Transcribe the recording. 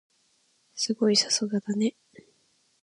すごい！さすがだね。